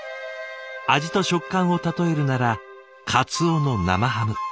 味と食感を例えるなら「鰹の生ハム」。